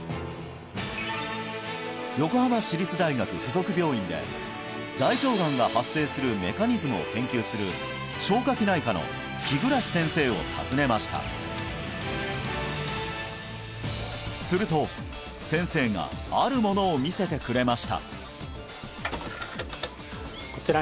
横浜市立大学附属病院で大腸がんが発生するメカニズムを研究する消化器内科の日暮先生を訪ねましたすると先生があるものを見せてくれました